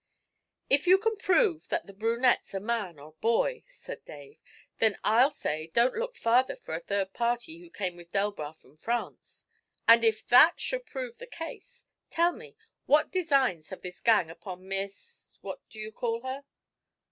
'If you can prove that the brunette's a man or boy,' said Dave, 'then I'll say don't look farther for the third party who came with Delbras from France; and if that should prove the case, tell me, what designs have this gang upon Miss what do you call her?'